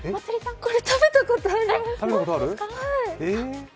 私これ食べたことあります！